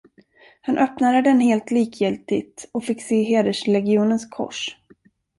Han öppnade den helt likgiltigt och fick se hederslegionens kors.